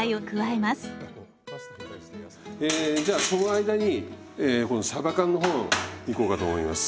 えじゃあその間に今度さば缶の方いこうかと思います。